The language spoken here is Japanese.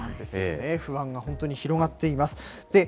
不安が本当に広がっています。